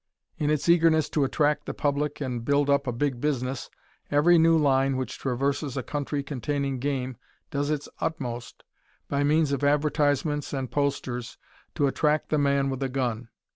In its eagerness to attract the public and build up "a big business," every new line which traverses a country containing game does its utmost, by means of advertisements and posters, to attract the man with a gun.